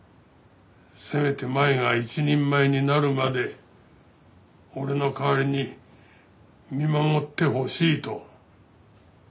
せめて舞が一人前になるまで俺の代わりに見守ってほしいと。